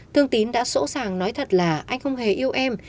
thương tín đã sẵn sàng nói thật là anh không hề yêu em